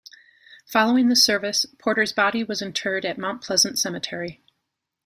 Following the service, Porter's body was interred at Mount Pleasant Cemetery.